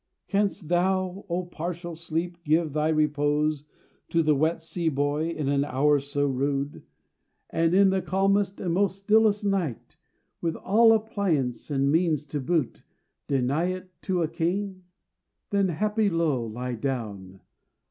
Canst thou, O partial sleep! give thy repose To the wet sea boy in an hour so rude, And in the calmest and most stillest night, With all appliances and means to boot, Deny it to a king? Then, happy low, lie down!